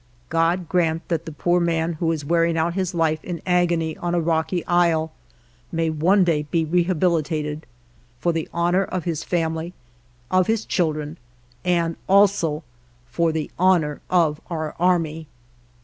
God grant that the poor man, who is wearing out his life in agony on a rocky isle, may one day be reha bilitated, for the honor of his family, of his children, and also for the honor of our army